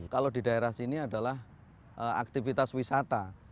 kalau di daerah sini adalah aktivitas wisata